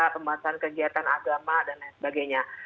pembahasan kegiatan agama dan lain sebagainya